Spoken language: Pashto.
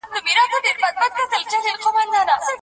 ټکنالوجي د روغتیا لپاره حیاتي ده.